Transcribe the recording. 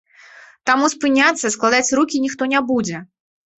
Таму спыняцца, складаць рукі ніхто не будзе.